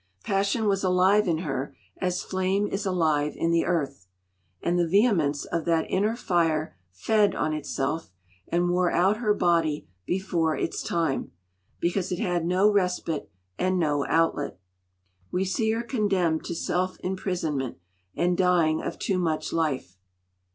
Passion was alive in her as flame is alive in the earth. And the vehemence of that inner fire fed on itself, and wore out her body before its time, because it had no respite and no outlet. We see her condemned to self imprisonment, and dying of too much life.